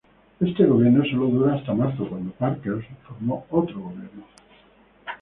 Este Gobierno sólo duró hasta marzo, cuando Parkes formó otro Gobierno.